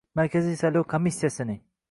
Markaziy saylov komissiyasining